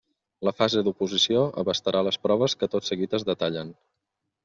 La fase d'oposició abastarà les proves que tot seguit es detallen.